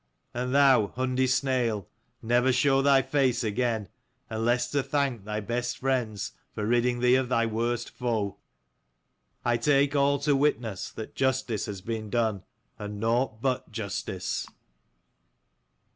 And thou, Hundi Snail, never show thy face again, unless to thank thy best friends for ridding thee of thy worst foe. I take all to witness that justice has been done, and nought but justice."